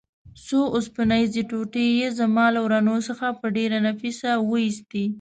څو اوسپنیزې ټوټې یې زما له ورنو څخه په ډېره نفیسه وه ایستې.